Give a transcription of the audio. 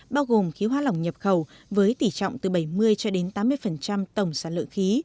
bao gồm khí hoa lỏng nhập khẩu với tỷ trọng từ bảy mươi cho đến tám mươi tổng sản lượng khí